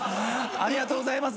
ありがとうございます。